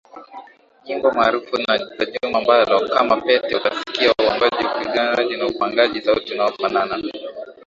nyimbo maarufu za Juma Bhalo kama Pete utasikia uimbaji upigaji na upangaji sauti unaofanana